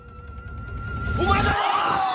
お前だろ！